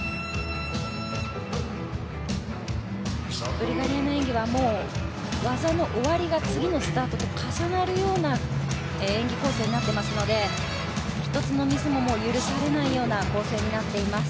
ブルガリアの演技は、もう技の終わりが次のスタートと重なるような演技構成になっていますので１つのミスも許されないような構成になっています。